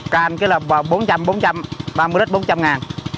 càng cái là bốn trăm linh bốn trăm linh ba mươi lít bốn trăm linh ngàn